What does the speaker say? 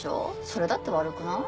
それだって悪くない？